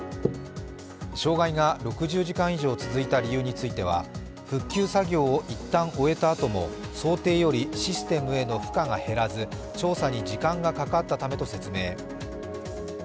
障害が６０時間以上続いた理由については、復旧作業を一旦終えたあとも想定よりシステムへの負荷が減らず調査に時間がかかったためと説明。